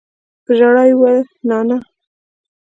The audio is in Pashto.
په ژړا يې وويل نانىه.